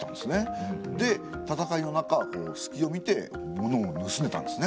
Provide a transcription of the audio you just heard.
で戦いの中すきを見てものをぬすんでたんですね。